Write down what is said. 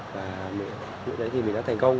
và lúc đấy thì mình đã thành công